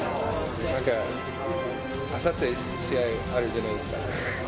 なんかあさって試合あるじゃないですか。